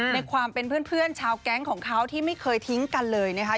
ในความเป็นเพื่อนชาวแก๊งของเขาที่ไม่เคยทิ้งกันเลยนะคะ